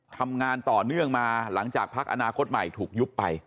ทำงานต่อเนื่องมาหลังจากพักอนาคตใหม่ถูกยุบไป